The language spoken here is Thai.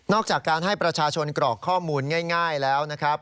จากการให้ประชาชนกรอกข้อมูลง่ายแล้วนะครับ